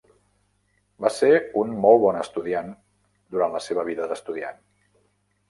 Va ser un molt bon estudiant durant la seva vida d'estudiant.